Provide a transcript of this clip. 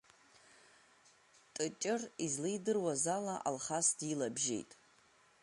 Тыҷыр излеидыруаз ала Алхас дилабжьеит.